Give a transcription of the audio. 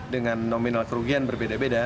dengan nominal kerugian berbeda beda